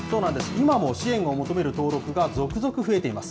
今も支援を求める登録が続々増えています。